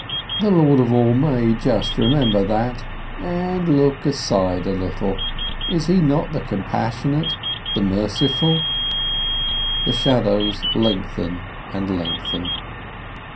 The Lord of All may just remember that, and look aside a little. Is He not the Compassionate, the Merciful? The shadows lengthen and lengthen.